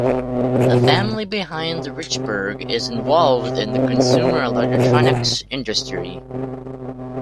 The family behind Richburg, is involved in the consumer electronics industry.